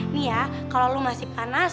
nih ya kalo lo masih panas